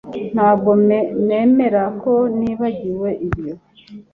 Ntabwo nemera ko nibagiwe ibyo